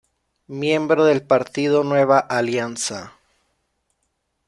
Miembro del Partido Nueva Alianza.